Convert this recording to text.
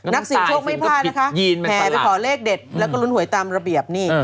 นักเสียงโชคไม่พลาดนะคะแห่ไปขอเลขเด็ดแล้วก็ลุ้นหวยตามระเบียบนี่